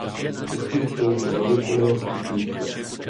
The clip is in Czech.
Uši jsou zavěšené spíš nízko.